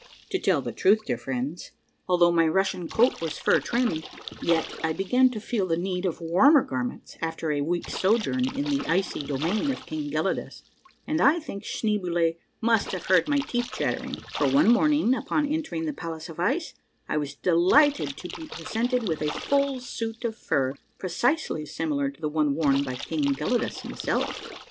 To tell the truth, dear friends, although my Russian coat was fur trimmed, yet I began to feel the need of warmer garments after a week's sojourn in the icy domain of King Gelidus, and I think Schneeboule must have heard my teeth chattering, for one morn ing, upon entering the Palace of Ice, I was delighted to be pre 166 A MARVELLOUS UNDERGROUND JOURNEY sented with a full suit of fur precisely similar to the one worn by King Gelidus himself.